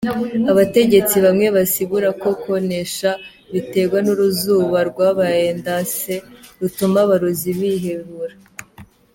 Abategetsi bamwe basigura ko kwonesha bitegwa n'uruzuba rwabaye ndanse, rutuma aborozi bihebura.